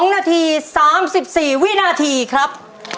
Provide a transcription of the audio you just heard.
๒นาที๓๔วินาทีครับ